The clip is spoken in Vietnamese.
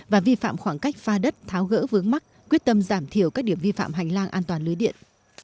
và vi phạm khoảng cách pha đất tháo gỡ vướng mắt quyết tâm giảm thiểu các điểm vi phạm hành lang an toàn lưới điện